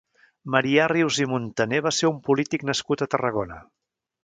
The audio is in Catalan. Marià Rius i Montaner va ser un polític nascut a Tarragona.